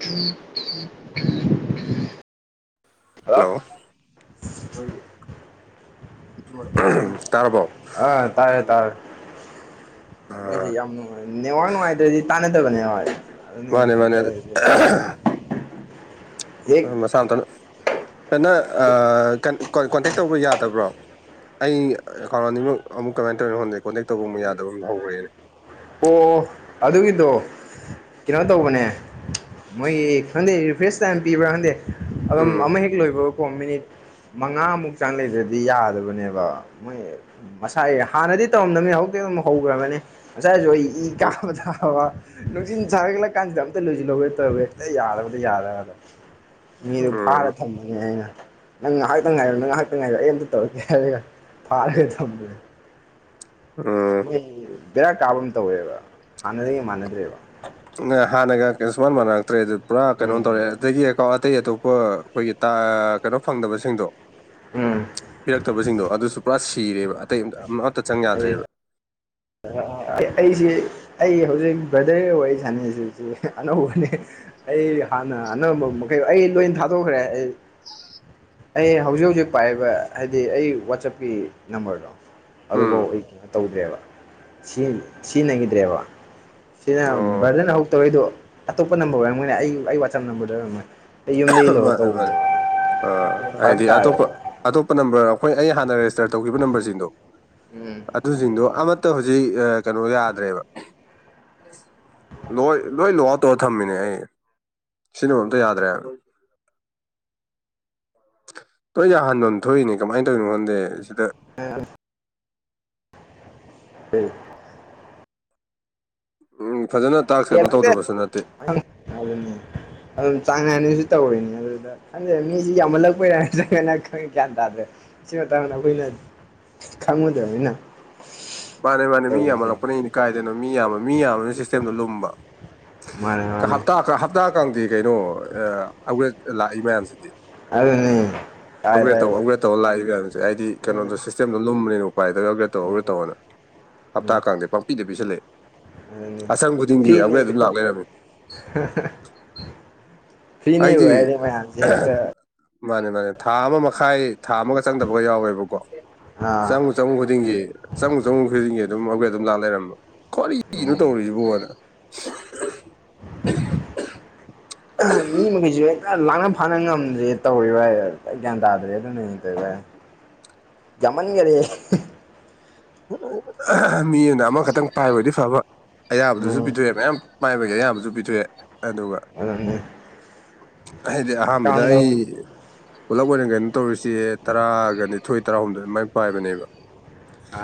ꯊ ꯍꯜꯂꯣ ꯇꯔꯕꯞ ꯑꯥ ꯇꯥꯔꯦ ꯇꯥꯔꯦ ꯌꯥꯝ ꯅꯨꯡꯉꯥꯏꯋꯥ ꯅꯨꯡꯉꯥꯏꯇ꯭ꯔꯦꯗꯤ ꯇꯥꯟꯅꯗꯕꯅꯦꯉ ꯃꯥꯅꯦ ꯃꯥꯅꯦ ꯍꯦꯛ ꯃꯁꯥꯟꯇꯅ ꯐꯅ ꯀꯣꯟꯇꯦꯛ ꯇꯧꯕ ꯌꯥꯗꯕ꯭ꯔꯣ ꯑꯩ ꯑꯦꯀꯥꯎꯟ ꯑꯅꯤꯃꯛ ꯑꯃꯨꯛ ꯀꯃꯥꯏ ꯇꯧꯔꯤꯣ ꯍꯣꯠꯗꯦ ꯀꯣꯟꯇꯦꯛ ꯇꯧꯕ ꯑꯃꯨꯛ ꯌꯥꯗꯕ ꯑꯃ ꯍꯧꯈ꯭ꯔꯦꯅꯦ ꯑꯣ ꯑꯗꯨꯒꯤꯗꯣ ꯀꯩꯅꯣ ꯇꯧꯕꯅꯦ ꯃꯣꯏꯒꯤ ꯈꯪꯗꯦ ꯔꯤꯐ꯭ꯔꯦꯁ ꯇꯥꯏꯝ ꯄꯤꯕ꯭ꯔꯥ ꯈꯪꯗꯦ ꯑ ꯎꯝ ꯑꯃ ꯍꯦꯛꯛ ꯂꯣꯏꯕ ꯀꯣ ꯃꯤꯅꯤꯠ ꯃꯉꯥꯃꯨꯛ ꯆꯪ ꯂꯩꯗ꯭ꯔꯗꯤ ꯌꯥꯗꯕꯅꯦꯕ ꯃꯣꯏ ꯃꯁꯥꯏ ꯍꯥꯟꯅ ꯑꯗꯨ ꯇꯧꯝꯕꯅꯤ ꯍꯧꯛꯇꯤ ꯑꯗꯨꯝ ꯍꯧꯈ꯭ꯔꯕꯅꯤ ꯉꯁꯥꯏꯁꯨ ꯑꯩ ꯏ ꯎꯝ ꯀꯥꯕ ꯊꯥꯕ ꯅꯨꯡꯁꯤꯤꯟ ꯁꯥꯔꯛꯂ ꯀꯥꯟꯁꯤꯗ ꯑꯝꯇ ꯂꯣꯏꯁꯤꯜꯍꯧꯒꯦ ꯇꯧꯔꯦ ꯍꯦꯛꯇ ꯌꯥꯔꯕ ꯌꯥꯔ ꯃꯤꯗꯨ ꯎꯝ ꯐꯥꯔ ꯊꯝꯃꯅꯤ ꯑꯩꯅ ꯅꯪ ꯉꯥꯏꯍꯥꯛꯇꯪ ꯉꯥꯏꯔꯣ ꯅ ꯉꯥꯏꯍꯥꯛꯇꯪ ꯉꯥꯏꯔꯣ ꯑꯩ ꯑꯝꯇ ꯇꯧꯔꯒꯦ ꯍꯥꯏꯔꯒ ꯐꯥꯔꯒꯦ ꯊꯝ ꯎꯝ ꯃꯣꯏ ꯕꯔꯥ ꯀꯥꯕ ꯑꯃ ꯇꯧꯋꯦꯕ ꯍꯥꯟꯅꯗꯒ ꯃꯥꯟꯅꯗ꯭ꯔꯦꯕ ꯅ ꯍꯥꯟꯅꯒ ꯀꯩꯁꯨꯃꯥꯟ ꯃꯥꯟꯅꯔꯛꯇ꯭ꯔꯦ ꯑꯗꯨ ꯄꯨꯔꯥ ꯀꯩꯅꯣ ꯎꯝ ꯇꯧꯔꯛꯦ ꯑꯗꯒꯤꯣ ꯑꯇꯩ ꯑꯇꯣꯞꯄ ꯑꯩꯈꯣꯏꯒꯤ ꯇ ꯀꯩꯅꯣ ꯐꯪꯗꯕꯁꯤꯡꯗꯣ ꯎꯝ ꯄꯤꯔꯛꯇꯕꯁꯤꯡꯗꯣ ꯑꯗꯨꯁꯨ ꯄꯨꯔꯥ ꯁꯤꯔꯦꯕ ꯑꯇꯩ ꯑ ꯑꯃꯇ ꯆꯪ ꯑꯩ ꯌꯥꯗ꯭ꯔꯦꯕ ꯑꯩꯁꯤ ꯑꯩ ꯍꯧꯖꯤꯛ ꯕ꯭ꯔꯗꯔ ꯑꯣꯏ ꯁꯥꯟꯅꯩꯁꯤꯁꯤ ꯑꯅꯧꯕꯅꯦ ꯑꯩ ꯍꯥꯟꯅ ꯑꯅꯝꯕ ꯃꯈꯩ ꯑꯩ ꯂꯣꯏ ꯊꯥꯗꯣꯛꯈ꯭ꯔꯦ ꯑꯩ ꯑꯩ ꯍꯧꯖꯤꯛ ꯍꯧꯖꯤꯛ ꯄꯥꯏꯔꯤꯕ ꯍꯥꯏꯗꯤ ꯑꯩ ꯋꯥꯆꯞꯀꯤ ꯅꯝꯕꯔꯗꯣ ꯎꯝ ꯑꯗꯨꯐꯧ ꯑꯩ ꯀꯩꯅꯣ ꯇꯧꯗ꯭ꯔꯦꯕ ꯁꯤꯖꯤꯟꯅꯈꯤꯗ꯭ꯔꯦꯕ ꯁꯤꯅ ꯑꯣ ꯕꯔꯗꯟ ꯍꯧ ꯇꯧꯔꯩꯗꯣ ꯑꯇꯣꯞꯄ ꯅꯝꯕꯔ ꯑꯣꯏꯔꯝꯃꯣꯏꯅꯦ ꯑꯩ ꯑꯩ ꯋꯥꯆꯞ ꯅꯝꯕꯔꯗ ꯑꯣꯏꯔꯝꯃꯣꯏꯅꯦ ꯃꯥꯅꯤ ꯃꯥꯅꯤꯅꯦ ꯑ ꯐꯔꯛ ꯍꯥꯏꯗꯤ ꯑꯇꯣꯞꯄ ꯇꯥꯏꯌꯦꯕ ꯑꯇꯣꯞꯄ ꯅꯝꯕꯔ ꯑꯩꯈꯣꯏ ꯑꯩ ꯍꯥꯟꯅꯔꯦꯁꯤ ꯑꯃ ꯎꯝ ꯍꯧꯖꯤꯛ ꯀꯩꯅꯣ ꯌꯥꯗ꯭ꯔꯦꯕ ꯂꯣꯏ ꯂꯣꯏ ꯂꯣꯛ ꯑ ꯇꯧꯔ ꯊꯝꯃꯤꯅꯦ ꯑꯩ ꯁꯤꯅꯦꯕ ꯑꯝꯇ ꯌꯥꯗ꯭ꯔꯦ ꯍꯣꯏ ꯌꯥꯍꯥꯟꯗꯣꯟ ꯊꯣꯛꯏꯅꯦ ꯀꯃꯥꯏꯅ ꯇꯧꯔꯤꯣ ꯈꯣꯟꯗꯦ ꯁꯤꯗ ꯎ ꯎꯝ ꯐꯖꯅ ꯇꯥꯛꯁ ꯀꯩꯅꯣ ꯌꯦꯔꯗ ꯇꯧꯗꯕꯁꯨ ꯅꯠꯇꯦ ꯑ ꯑꯗꯨ ꯑꯗꯨꯝ ꯆꯥꯡ ꯅꯥꯏꯅꯁꯨ ꯇꯧꯔꯤꯅꯦ ꯑꯗꯨꯗ ꯈꯪꯗꯦ ꯃꯤꯁꯤ ꯌꯥꯝꯃꯜꯂꯛꯄꯩꯔꯥ ꯅꯠꯇꯪꯥꯏ ꯈꯪꯉꯦ ꯭ꯌꯥꯟ ꯇꯥꯗ꯭ꯔꯦ ꯁꯤꯤꯡ ꯇꯥꯟꯅ ꯐꯅ ꯈꯪꯃꯗꯅꯤꯅ ꯃꯥꯅꯦ ꯃꯥꯅꯦ ꯃꯤ ꯌꯥꯝꯃꯜꯂꯛꯄꯅꯤꯅꯤ ꯀꯥꯏꯗꯅꯣ ꯃꯤ ꯌꯥꯝꯕ ꯃꯤ ꯌꯥꯝꯕꯅ ꯁꯤꯁꯇꯦꯝꯗꯣ ꯂꯨꯝꯕ ꯃꯥꯅꯦ ꯃꯥꯅꯦ ꯍꯞꯇꯥ ꯍꯞꯇꯥ ꯀꯥꯡꯗꯤ ꯀꯩꯅꯣ ꯑꯒ꯭ꯔꯦꯖ ꯂꯥꯛꯏ ꯃꯌꯥꯝꯁꯤꯗꯤ ꯑꯗꯨꯅꯤ ꯀꯥꯏꯗ ꯑꯞꯒ꯭ꯔꯦꯗ ꯇꯧ ꯑꯞꯒ꯭ꯔꯦꯗ ꯇꯧꯔ ꯂꯥꯛꯏ ꯀꯅꯁꯦ ꯑꯩꯗꯤ ꯎꯝ ꯀꯩꯅꯣꯗꯣ ꯁꯤꯁꯇꯦꯝꯗꯣ ꯂꯨꯝꯕꯅꯤꯅꯀ ꯄꯥꯏꯗꯧꯒꯦ ꯇꯧꯔꯒ ꯇꯧꯅ ꯍꯞꯇꯥ ꯀꯥꯡꯗꯩ ꯄꯥꯄꯤꯗ ꯄꯤꯁꯜꯂꯛꯑꯦ ꯑꯗꯨꯅꯤ ꯑꯁꯪ ꯈꯨꯗꯤꯡꯒꯤ ꯑꯃ ꯐ꯭ꯔꯤꯅꯦꯕ ꯑꯗꯨꯝ ꯂꯥꯛ ꯂꯩꯔꯝꯃꯤ [inaudible] ꯐ꯭ꯔꯤꯅꯦꯕꯨ ꯑꯩꯗꯤ ꯍꯥꯏꯔꯗꯤ ꯃꯌꯥꯝꯁꯦ ꯍꯦꯛꯇ ꯃꯥꯅꯦ ꯃꯥꯅꯦ ꯊꯥ ꯑꯃ ꯃꯈꯥꯏ ꯊꯥ ꯑꯃꯒ ꯆꯪꯗꯕꯒ ꯌꯥꯎꯋꯦꯕꯀꯣ ꯑꯥ ꯆꯝꯃ ꯆꯝ ꯈꯨꯗꯤꯡꯒꯤ ꯆꯝꯉ ꯆꯍꯨꯝ ꯈꯨꯗꯤꯡꯒꯤ ꯑꯗꯨꯝ ꯍꯧꯒꯠ ꯑꯗꯨꯝ ꯂꯥ ꯂꯩꯔꯝꯕ ꯀ꯭ꯋꯥꯔꯤꯅꯣ ꯎꯝ ꯇꯧꯔꯤꯁꯤꯕꯣꯅ ꯃꯤ ꯃꯖꯨꯦ ꯂꯥꯅ ꯐꯥꯅ ꯉꯝꯗ꯭ꯔꯤ ꯇꯧꯔꯤꯕ ꯒ꯭ꯌꯥꯟ ꯇꯥꯗ꯭ꯔꯦ ꯑꯗꯨꯅ ꯇ ꯃꯟꯒꯔꯦ ꯃꯤ ꯑꯅ ꯑꯃꯈꯛꯇꯪ ꯄꯥꯏꯕꯗꯤ ꯐꯕ ꯑꯌꯥꯕꯗꯨꯁꯨ ꯎꯝ ꯄꯤꯊꯣꯛꯑꯦ ꯃꯌꯥꯝ ꯃꯥꯏꯕꯒꯤ ꯑꯌꯥꯝꯕꯁꯨ ꯄꯤꯊꯣꯛꯑꯦ ꯑꯗꯨꯒ ꯑꯗꯨꯅꯦ ꯍꯥꯏꯗꯤ ꯑꯍꯥꯟꯕꯗ ꯑꯩ ꯄꯨꯂꯞ ꯑꯣꯏꯅ ꯀꯩꯅ ꯇꯧꯔꯤꯁꯦ ꯇꯔꯥꯒ ꯅꯤꯊꯣꯏ ꯇꯔꯥꯍꯨꯝꯗꯣꯏ ꯑꯗꯨꯃꯥꯏꯅ ꯄꯥꯏꯕꯅꯦꯕ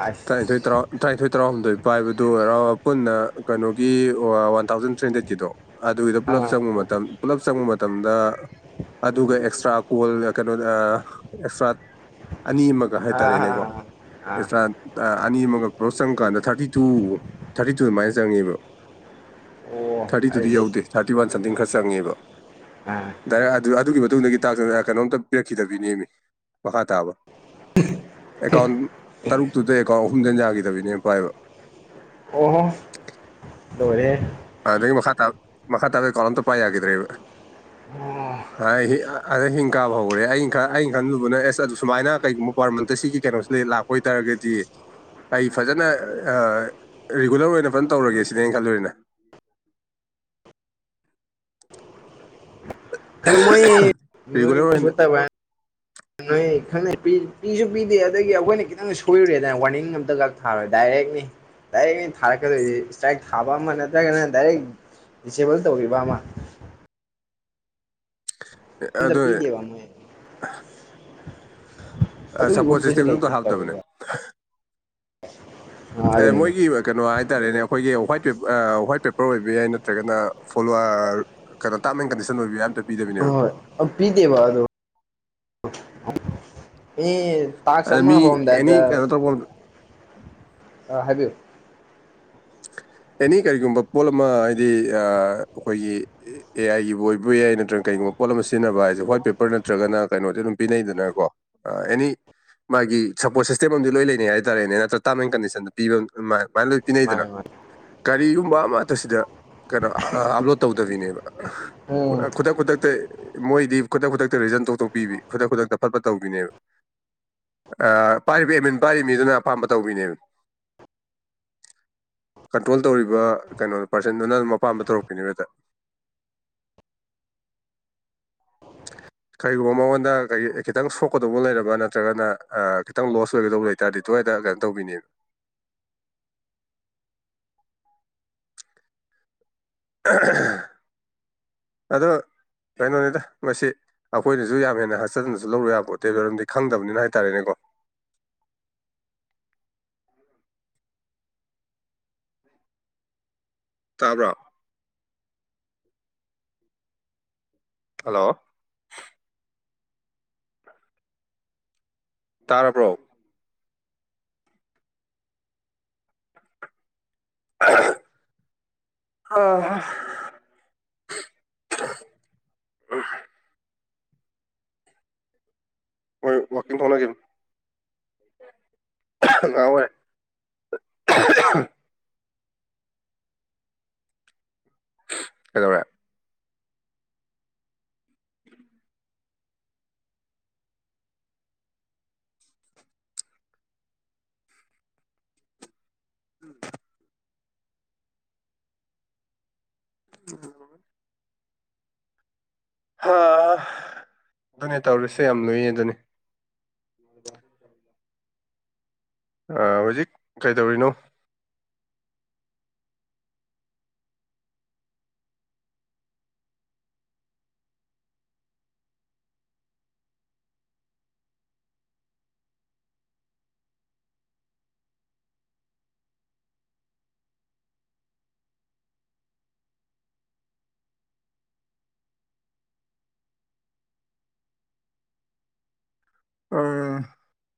ꯑꯁ ꯇꯔꯥꯅꯤꯊꯣꯏ ꯇꯔ ꯇꯔꯥꯅꯤꯊꯣꯏ ꯇꯔꯥꯍꯨꯝꯗꯣꯏ ꯄꯥꯏꯕꯗꯨ ꯍꯔꯥꯎ ꯄꯨꯟꯅ ꯀꯩꯅꯣꯒꯤ ꯋꯥꯟ ꯊꯥꯎꯖꯟ ꯊ꯭ꯔꯤ ꯍꯟꯗ꯭ꯔꯦꯠꯀꯤꯗꯣ ꯑꯗꯨꯒꯤꯗꯣ ꯄꯨꯂꯞ ꯑꯥ ꯆꯪꯕ ꯑꯥ ꯃꯇꯝ ꯄꯨꯂꯞ ꯆꯪꯕ ꯃꯇꯝ ꯃꯇꯝꯗ ꯑꯗꯨꯒ ꯑꯦꯛꯁꯇ꯭ꯔꯥ ꯀꯣꯜ ꯀꯩꯅꯣꯗ ꯑꯦꯛꯁꯇ꯭ꯔꯥ ꯑꯅꯤ ꯑꯃꯒ ꯍꯥꯏꯇꯥꯔꯦꯅꯦꯀꯣꯥꯟ ꯑꯥ ꯑꯥ ꯑꯅꯤ ꯑꯃꯒꯛ ꯀ꯭ꯂꯣꯁ ꯆꯪꯉ ꯀꯥꯟꯗ ꯊꯥꯔꯇꯤ ꯇꯨ ꯊꯥꯔꯇꯤ ꯇꯨ ꯑꯗꯨꯃꯥꯏꯅ ꯆꯪꯉꯦꯕ ꯑꯣ ꯊꯥꯔꯇꯤ ꯇꯨꯗꯤ ꯌꯧꯗꯦ ꯑꯩꯁ ꯊꯥꯔꯇꯤ ꯋꯥꯟ ꯁꯝꯊꯤꯡ ꯈꯔ ꯆꯪꯉꯦꯕ ꯑꯥ ꯗꯥꯏꯔꯦꯛ ꯑꯗꯨꯒꯤ ꯃꯇꯨꯡꯗꯒꯤ ꯇꯥꯛ ꯀꯩꯅꯣꯝꯇ ꯄꯤꯔꯛꯈꯤꯗꯕꯤꯅꯦꯦꯝꯃꯤ ꯃꯈꯥ ꯇꯥꯕ ꯑꯦꯀꯥꯎꯟ ꯇꯔꯨꯛꯇꯨꯗ ꯑꯦꯀꯥꯎꯟ ꯑꯍꯨꯝꯗ ꯌꯥꯈꯤꯗꯕꯤꯅꯦ ꯄꯥꯏꯕ ꯑꯣꯍꯣ ꯂꯣꯏꯔꯦ ꯑꯗꯨꯗ ꯃꯈꯥ ꯇꯥ ꯃ ꯃꯈꯥ ꯇꯕꯦ ꯀꯂꯟ ꯇ ꯄꯥꯏ ꯍꯥꯏꯒꯗ꯭ꯔꯔꯤ ꯏ ꯑꯣ ꯑꯗ ꯍꯤꯡ ꯀꯥꯕ ꯍꯧꯈ꯭ꯔꯦ ꯑ ꯑꯩꯅ ꯈꯟꯂꯨꯕꯅ ꯑꯦꯁ ꯑꯗꯨ ꯁꯨꯃꯥꯏꯅ ꯀꯩꯒꯨꯝꯕ ꯄꯔ ꯃꯟꯇ ꯁꯤꯒꯤ ꯀꯩꯅꯣꯁꯦ ꯂꯥꯛꯄ ꯑꯣꯏꯇꯥꯥꯔꯒꯗꯤ ꯑꯩ ꯐꯖꯅ ꯔꯤꯒꯨꯂꯔ ꯑꯣꯏꯅ ꯐꯖꯅ ꯇꯧꯔꯒꯦ ꯁꯤꯅꯦꯩꯅ ꯈꯜꯂꯨꯔꯔꯤꯅꯦ [unintelligible] ꯈ ꯃꯣꯏ ꯔꯤꯒꯨꯂꯔ ꯑꯣꯏꯅ ꯃꯠꯇ ꯈꯪꯅꯩ ꯄꯤꯁꯨ ꯄꯤꯗꯦ ꯑꯗꯒꯤ ꯑꯩꯈꯣꯏꯅ ꯈꯤꯇꯪ ꯁꯣꯏꯔꯨꯔꯦꯗꯅ ꯋꯥꯔꯅꯤꯡ ꯑꯝꯇ ꯈ ꯊꯥꯔꯣꯏ ꯗꯥꯏꯔꯦꯛꯅꯤ ꯏꯔ ꯃꯤ ꯊꯥꯔ ꯊꯥꯕ ꯑꯃ ꯅ꯭ꯔꯗꯥꯏꯔꯦ ꯗꯤꯁꯦꯕꯜ ꯇꯧꯔꯤꯕ ꯑꯃ ꯑꯝꯇ ꯑꯗꯨꯗ ꯄꯤꯗꯦꯕ ꯃꯣꯏ ꯑꯗꯨꯒꯤ ꯁꯞꯄꯣꯔꯠ ꯎꯠꯄꯁꯨ ꯁꯤꯁꯇꯦꯝꯁ ꯂꯩꯇꯦ ꯑꯝꯇ ꯍꯥꯞꯇꯕꯅꯦ ꯇꯧꯋꯦꯕ ꯑꯦ ꯑꯗꯨꯅꯤ ꯃꯣꯏꯒꯤ ꯀꯩꯅꯣ ꯍꯥꯏꯇꯥꯔꯦꯅꯦ ꯑꯩꯈꯣꯏꯒꯤ ꯍ ꯋꯥꯋꯥꯏꯠ ꯄꯦꯄꯔ ꯑꯣꯏꯕ ꯌꯥꯏ ꯅꯠꯇ꯭ꯔꯒꯅ ꯐꯣꯂꯣ ꯀꯩꯅꯣ ꯇꯥꯔꯝ ꯑꯦꯟ ꯀꯟꯗꯤꯁꯟ ꯑꯣꯏꯕ ꯌꯥꯏ ꯄꯤꯗꯕꯤꯅꯦꯕ ꯍ ꯑ ꯄꯤꯗꯦ ꯋꯥꯗꯣ ꯑꯦ ꯇꯥꯛꯁ ꯑꯗ ꯑꯃ ꯃꯤ ꯑꯦꯅꯤ ꯍꯣꯡꯝꯗꯥꯏꯗ ꯀꯩꯅꯣ ꯇꯧꯕ ꯑ ꯍꯥꯏꯕꯤꯌꯨ ꯑꯦꯅꯤ ꯀꯔꯤꯒꯨꯝꯕ ꯄꯣꯠ ꯑꯃ ꯍꯥꯏꯗꯤ ꯑꯩꯈꯣꯏꯒꯤ ꯑꯦ ꯑꯥꯏꯒꯤꯕꯨ ꯑꯣꯏꯕ ꯌꯥꯏ ꯅꯠꯇ꯭ꯔꯒ ꯀꯩꯒꯨꯝꯕ ꯄꯣꯠꯂꯝ ꯑꯃ ꯁꯤꯖꯤꯟꯅꯕ ꯍꯥꯏꯁꯦ ꯋꯥ꯭ꯋꯥꯏꯠ ꯄꯦꯄꯔ ꯅꯠꯇ꯭ꯔꯒꯅ ꯀꯩꯅꯣꯗꯤ ꯑꯗꯨꯝ ꯄꯤꯅꯩꯗꯅꯀꯣ ꯑꯦꯅꯤ ꯃꯥꯒꯤ ꯁꯞꯄꯣꯔꯠ ꯁꯤꯁꯇꯦꯝ ꯑꯃꯗꯤ ꯂꯣꯏ ꯂꯩꯅꯩ ꯍꯥꯏꯇꯥꯔꯦꯅꯦ ꯅꯠꯇ꯭ꯔ ꯇꯥꯔꯝ ꯑꯦꯟ ꯀꯟꯗꯤꯁꯟꯗ ꯄꯤꯕ ꯃꯌꯥꯝ ꯇꯤꯟꯩꯗꯅ ꯃꯥꯅꯦ ꯃꯥꯅꯦ ꯀꯔꯤꯒꯨꯝꯕ ꯑꯃꯇ ꯁꯤꯗ ꯀꯩꯅꯣ ꯑꯞꯂꯣꯗ ꯇꯧꯗꯕꯤꯅꯦꯕ ꯎꯝ ꯈꯨꯗꯛ ꯈꯨꯗꯛꯇ ꯃꯣꯏꯗꯤ ꯈꯨꯗꯛ ꯈꯨꯗꯛꯇ ꯔꯤꯖꯟ ꯇꯧꯊꯣꯛꯄꯤꯕꯤ ꯈꯨꯗꯛ ꯈꯨꯗꯛꯇ ꯐꯠꯄ ꯇꯧꯕꯤꯅꯦꯕ ꯄꯥꯏꯔꯤꯕ ꯑꯦꯃꯤꯟ ꯄꯥꯏꯔꯤꯕ ꯃꯤꯗꯨꯅ ꯑꯄꯥꯝꯕ ꯇꯧꯕꯤꯅꯦ ꯑ ꯀꯟꯇ꯭ꯔꯣꯜ ꯇꯧꯔꯤꯕ ꯀꯩꯅꯣ ꯄꯥꯔꯁꯦꯟꯗꯨꯅ ꯑꯄꯥꯝꯕ ꯇꯧꯔꯛꯄꯤꯅꯦꯦꯗ [inaudible] [unintelligible] ꯀꯔꯤꯒꯨꯝꯕ ꯃꯉꯣꯟꯗ ꯈꯤꯇꯪ ꯁꯣꯛꯀꯗꯧꯕ ꯂꯩꯔꯕ ꯅꯠꯇ꯭ꯔꯒꯅ ꯈꯤꯇꯪ ꯂꯣꯁ ꯑꯣꯏꯒꯗꯧꯕ ꯂꯩꯕꯇꯥꯥꯔꯗꯤ ꯇꯣꯏ ꯀꯩꯅꯣ ꯇꯧꯕꯤꯅꯦꯕ ꯑ ꯑꯗꯣ ꯀꯩꯅꯣꯅꯤꯗ ꯃꯁꯤ ꯑꯩꯈꯣꯏꯅꯁꯨ ꯌꯥꯝ ꯍꯦꯟꯅ ꯍꯥꯛꯆꯗꯅꯁꯨ ꯂꯧꯔꯨ ꯌꯥꯕꯣꯠꯇꯦ ꯃꯔꯔꯝꯗꯤ ꯈꯪꯗꯕꯅꯤꯅ ꯍꯥꯏꯇꯥꯔꯦꯅꯦꯀꯣ ꯑ ꯇꯥꯕ꯭ꯔꯣ ꯍꯜꯂꯣ ꯇꯥꯔꯕ꯭ꯔꯣ ꯑ [unintelligible] ꯍꯣꯏ ꯋꯥꯀꯤꯡ ꯊꯣꯛꯂꯛꯏꯅꯤ ꯉꯍꯥꯛ ꯑꯣꯏꯔꯦ ꯀꯩꯗꯧꯔꯦ [unintelligible] [unintelligible] ꯍꯥ ꯑꯗꯨꯅꯦ ꯇꯧꯔꯤꯁꯦ ꯌꯥꯝ ꯂꯨꯏꯌꯦ ꯑꯗꯨꯅꯤ [unintelligible] ꯍꯧꯖꯤꯛ ꯀꯩꯗꯧꯔꯤꯅꯣ ꯑꯥ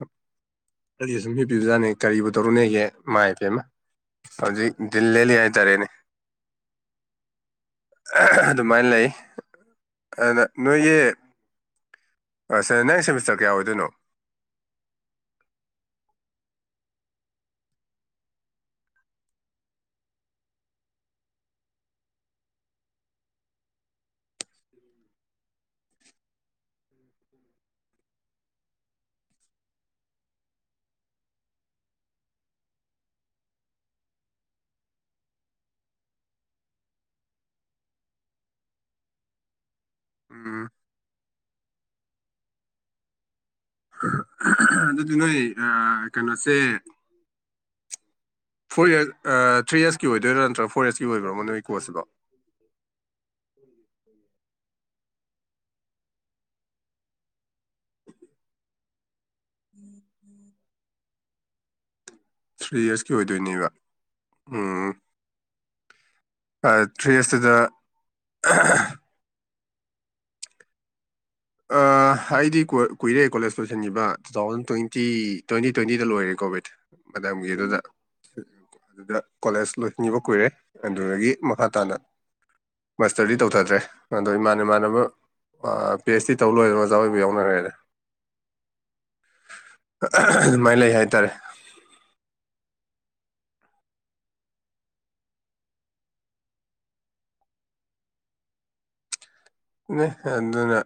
ꯑꯩꯗꯤ ꯁꯨꯝ ꯍꯤꯞꯄꯤꯕꯖꯥꯠꯅꯦ ꯀꯔꯤꯕꯨ ꯇꯧꯔꯨꯅꯤꯒꯦ ꯏꯃꯥꯏꯄꯦꯝꯃ ꯍꯧꯖꯤꯛ ꯗꯤꯜ ꯂꯦꯜꯂꯤ ꯍꯥꯏ ꯇꯔꯦꯅꯦ ꯑꯗꯨꯃꯥꯏꯅ ꯂꯩ ꯑꯗꯨꯗ ꯅꯣꯏꯒꯤ ꯁꯔ ꯅꯪ ꯁꯦꯃꯤꯁꯇꯔ ꯀꯌꯥ ꯑꯣꯏꯗꯣꯏꯅꯣ [unintelligible] ꯎꯝ ꯑꯗꯨꯗꯤ ꯅꯣꯏ ꯀꯩꯅꯣꯁꯦ ꯐꯣꯔ ꯏꯌ꯭ꯔꯁ ꯊ꯭ꯔꯤ ꯏꯌ꯭ꯔꯁꯀꯤ ꯑꯣꯏꯗꯣꯏꯔꯥ ꯅꯠꯇ꯭ꯔ ꯐꯣꯔ ꯏ꯭ꯌꯔꯁꯀꯤ ꯑꯣꯏꯕꯃ ꯅꯣꯏꯒꯤ ꯀꯣꯔꯁ ꯁꯤꯕꯣ [unintelligible] [unintelligible] ꯊ꯭ꯔꯤ ꯏꯌ꯭ꯔꯁꯀꯤ ꯑꯣꯏꯗꯣꯏꯅꯦꯕ ꯎꯝ ꯑ ꯊ꯭ꯔꯤ ꯏꯌ꯭ꯔꯁ ꯁꯤꯗ [unintelligible] ꯑꯩꯗꯤ ꯀꯨꯏꯔꯦ ꯀꯣꯂꯦꯖ ꯂꯣꯏꯁꯤꯟꯈꯤꯕ ꯇꯨ ꯊꯥꯎꯖꯟ ꯇ꯭ꯋꯦꯟꯇꯤ ꯇ꯭ꯋꯦꯟꯇꯤ ꯇ꯭ꯋꯦꯟꯇꯤꯗ ꯂꯣꯏꯔꯦ ꯀꯣꯚꯤꯠ ꯃꯇꯝꯒꯤ ꯑꯗꯨꯗ ꯑꯗꯨꯗ ꯀꯣꯂꯦꯖ ꯂꯣꯏꯁꯤꯟꯈꯤꯕ ꯀꯨꯏꯔꯦ ꯑꯗꯨꯗꯒꯤ ꯃꯈꯥ ꯇꯥꯅ ꯃꯥꯁꯇꯔꯗꯤ ꯇꯧꯊꯗ꯭ꯔꯦ ꯑꯗꯣ ꯏꯃꯥꯟ ꯏꯃꯥꯟꯅꯕ ꯄꯤ ꯑꯩꯆ ꯗꯤ ꯇꯧꯂꯣꯏꯕ ꯑꯣꯖꯥ ꯑꯣꯏꯕ ꯌꯥꯎꯅꯈ꯭ꯔꯦꯗ ꯑꯗꯨ ꯃꯥꯏ ꯂꯩ ꯍꯥꯏꯇꯥꯔꯦ ꯑꯗꯨꯅꯦ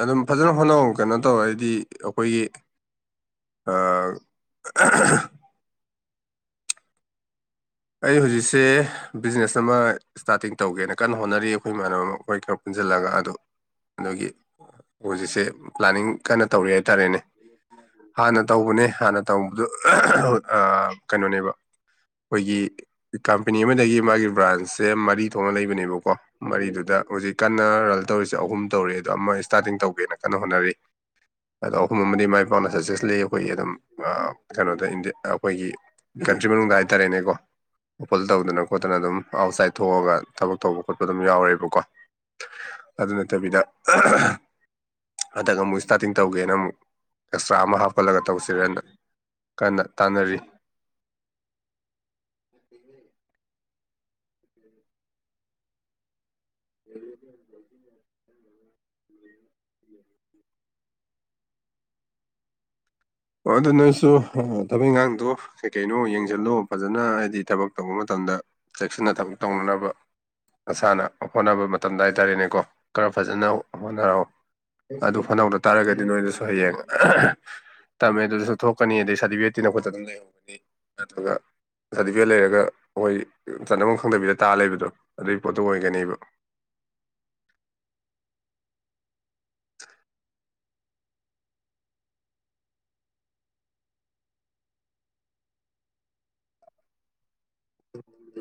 ꯑꯗꯨꯝ ꯐꯖꯅ ꯍꯣꯠꯅꯧ ꯀꯩꯅꯣ ꯇꯧꯔ ꯍꯥꯏꯗꯤ ꯑꯈꯣꯏꯒꯤ ꯑ ꯑꯩ ꯍꯧꯖꯤꯛꯁꯦ ꯕꯤꯖꯤꯅꯦꯁ ꯑꯃ ꯏꯁꯇꯥꯔꯇꯤꯡ ꯇꯧꯒꯦꯅ ꯀꯟꯅ ꯍꯣꯠꯅꯔꯤ ꯑꯈꯣꯏ ꯏꯃꯥꯟꯅꯕ ꯑꯃ ꯑꯈꯣꯏ ꯈꯔ ꯖꯤꯜꯂꯒ ꯑꯗꯨ ꯑꯗꯨꯒꯤ ꯍꯧꯖꯤꯛꯁꯦ ꯄ꯭ꯂꯥꯅꯤꯡ ꯀꯟꯅ ꯇꯧꯔꯤ ꯍꯥꯏꯇꯥꯔꯦꯅꯦ ꯍꯥꯟꯅ ꯇꯧꯕꯅꯦ ꯍꯥꯟꯅ ꯇꯧꯕꯗꯨ ꯑꯥ ꯀꯩꯅꯣꯅꯦꯕ ꯑꯈꯣꯏꯒꯤ ꯀꯝꯄꯅꯤ ꯑꯃꯗꯒꯤ ꯃꯥꯒꯤ ꯕ꯭ꯔꯥꯟꯁꯁꯦ ꯃꯔꯤ ꯊꯣꯛꯅ ꯂꯩꯕꯅꯦꯕꯀꯣ ꯃꯔꯤꯗꯨꯗ ꯍꯧꯖꯤꯛ ꯀꯟꯅ ꯔꯟ ꯇꯧꯔꯤꯁꯦ ꯑꯍꯨꯝ ꯇꯧꯔꯤ ꯑꯗꯣ ꯑꯃ ꯏꯁꯇꯥꯔꯇꯤꯡ ꯇꯧꯒꯦꯅ ꯀꯟꯅ ꯍꯣꯠꯅꯔꯤ ꯑꯗꯣ ꯑꯍꯨꯝ ꯑꯃꯗꯤ ꯃꯥꯏ ꯄꯥꯛꯅ ꯁꯛꯁꯦꯁꯂꯤ ꯑꯩꯈꯣꯏꯒꯤ ꯑꯗꯨꯝ ꯀꯩꯅꯣꯗꯗꯤ ꯑꯩꯈꯣꯏꯒꯤ ꯀꯟꯇ꯭ꯔꯤ ꯃꯅꯨꯡꯗ ꯍꯥꯏꯇꯥꯔꯦꯅꯦꯀꯣ ꯑꯣꯄꯜ ꯇꯧꯗꯅ ꯈꯣꯠꯇꯅ ꯑꯗꯨꯝ ꯑꯥꯎꯠꯁꯥꯏꯠ ꯊꯣꯛꯑꯒ ꯊꯕꯛ ꯇꯧꯕ ꯈꯣꯠꯄ ꯑꯗꯨꯝ ꯌꯥꯎꯔꯦꯕꯀꯣ ꯑꯗꯨ ꯅꯠꯇꯕꯤꯗ ꯍꯟꯗꯛ ꯑꯃꯨꯛ ꯏꯁꯇꯥꯔꯇꯤꯡ ꯇꯧꯒꯦꯅ ꯑꯃꯨꯛ ꯑꯦꯛꯁꯇ꯭ꯔꯥ ꯑꯃ ꯍꯥꯞꯄꯜꯂꯒ ꯇꯧꯁꯤꯔ ꯍꯟꯗꯛ ꯀꯟꯅ ꯇꯥꯟꯅꯔꯤ [unintelligible] ꯑꯣ ꯑꯗꯨ ꯅꯣꯏꯁꯨ ꯊꯕꯛ ꯏꯪꯈꯥꯡꯗꯣ ꯀꯩ ꯀꯩꯅꯣ ꯌꯦꯡꯁꯜꯂꯨ ꯐꯖꯅ ꯍꯥꯏꯗꯤ ꯊꯕꯛ ꯇꯧꯕ ꯃꯇꯝ ꯗ ꯆꯦꯛꯁꯤꯟꯅ ꯊꯕꯛ ꯇꯧꯅꯅꯕ ꯅꯁꯥꯅ ꯍꯣꯠꯅꯕ ꯃꯇꯝꯗ ꯍꯥꯏꯇꯥꯔꯦꯅꯦꯀꯣ ꯈꯔ ꯐꯖꯅ ꯍꯣꯠꯅꯔꯣ ꯑꯗꯨ ꯐꯗꯧꯗ ꯇꯥꯔꯒꯗꯤ ꯅꯣꯏꯗꯁꯨ ꯍꯌꯦꯡ ꯇꯝꯃꯦ ꯑꯗꯨꯗꯁꯨ ꯊꯣꯛꯀꯅꯤ ꯑꯗꯩ ꯁꯥꯔꯇꯤꯐꯤꯀꯦꯠꯠꯇꯤꯅ ꯈꯣꯠꯇ ꯑꯗꯨꯝ ꯂꯩꯍꯝꯒꯅꯤ ꯑꯗꯨꯒ ꯁꯥꯔꯇꯤꯐꯤꯀꯦꯠ ꯂꯩꯔꯒ ꯑꯩꯣꯏ ꯆꯠꯅꯐꯝ ꯈꯪꯗꯕꯤꯗ ꯇꯥ ꯂꯩꯕꯗꯣ ꯑꯗꯨꯒꯤ ꯄꯣꯠꯇꯨ ꯑꯣꯏꯒꯅꯦꯕ ꯑ [inaudible]